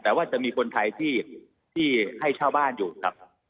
แต่ว่าจะมีคนไทยที่ให้เช่าบ้านอยู่ครับ